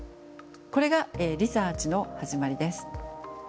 これがリサーチの始まりです。